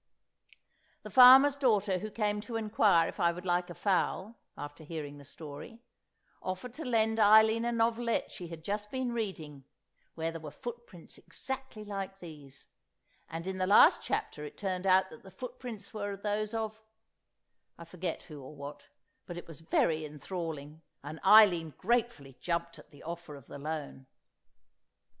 The farmer's daughter who came to inquire if I would like a fowl, after hearing the story, offered to lend Eileen a novelette she had just been reading, where there were footprints exactly like these; and in the last chapter it turns out that the footprints were those of—I forget who or what, but it was very enthralling, and Eileen gratefully jumped at the offer of the loan.